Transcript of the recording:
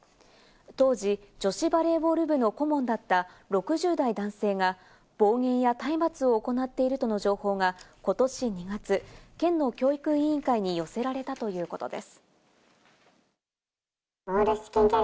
当時、女子バレーボール部の顧問だった６０代男性が暴言や体罰を行っているとの情報が今年２月、県の教育委員会に寄せられたということです。